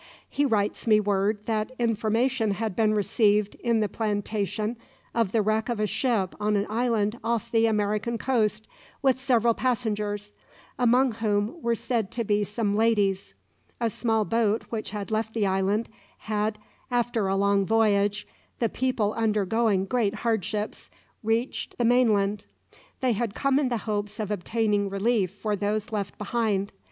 He writes me word that information had been received in the plantation of the wreck of a ship on an island off the American coast, with several passengers, among whom were said to be some ladies. A small boat which had left the island, had, after a long voyage, the people undergoing great hardships, reached the mainland. They had come in the hopes of obtaining relief for those left behind.